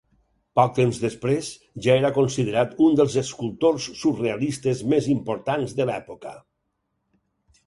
Poc temps després, ja era considerat un dels escultors surrealistes més importants de l'època.